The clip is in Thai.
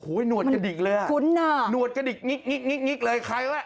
โอ้ยหนวดกระดิกเลยอ่ะหนวดกระดิกงิ๊กเลยใครแล้ว